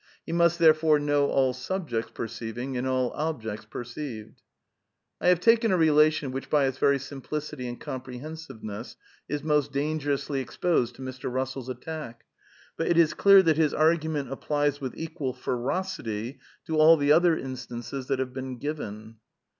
He must therefore know all subjects perceiving and all objects perceived. I have taken a relation which by its very simplicity and comprehensiveness is most dangerously exposed to Mr. Bussell's attack ; but it is clear that his argument applies with equal ferocity to all the other instances that have been given.